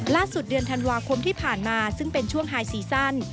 เดือนธันวาคมที่ผ่านมาซึ่งเป็นช่วงไฮซีซั่น